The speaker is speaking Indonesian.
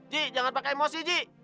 ji jangan pakai emosi ji